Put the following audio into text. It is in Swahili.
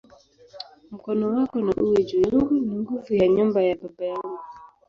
Mkono wako na uwe juu yangu, na juu ya nyumba ya baba yangu"!